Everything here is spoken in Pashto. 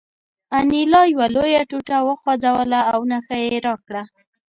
انیلا یوه لویه ټوټه وخوځوله او نښه یې راکړه